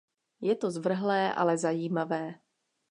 Je to zvrhlé, ale zajímavé.